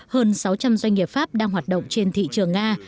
hơn sáu trăm linh doanh nghiệp pháp đang hoạt động trên thị trường nga